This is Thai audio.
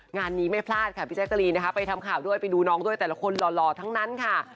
งานนี้ไม่พลาดค่ะพี่แจ๊กกะรีนนะคะไปทำข่าวด้วยไปดูน้องด้วยแต่ละคนหล่อทั้งนั้นค่ะ